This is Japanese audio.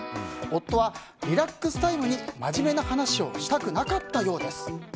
夫はリラックスタイムに真面目な話をしたくなかったようです。